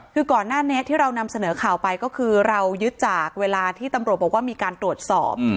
คือก่อนหน้านี้ที่เรานำเสนอข่าวไปก็คือเรายึดจากเวลาที่ตำรวจบอกว่ามีการตรวจสอบ